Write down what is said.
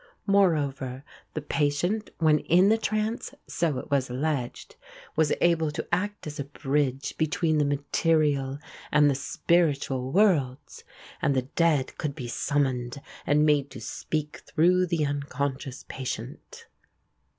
Moreover, the patient when in the trance, so it was alleged, was able to act as a bridge between the material and the spiritual worlds, and the dead could be summoned and made to speak through the unconscious patient.